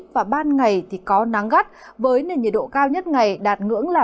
và ban ngày thì có nắng gắt với nền nhiệt độ cao nhất ngày đạt ngưỡng ba mươi một ba mươi bốn độ